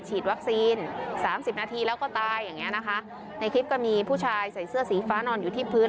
ฉีดวัคซีนสามสิบนาทีแล้วก็ตายอย่างเงี้นะคะในคลิปก็มีผู้ชายใส่เสื้อสีฟ้านอนอยู่ที่พื้น